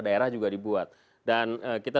daerah juga dibuat dan kita